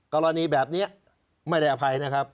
กรณีแบบนี้ไม่ได้อภัยนะครับ